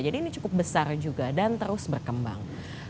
jadi ini cukup besar juga dan terus berkembang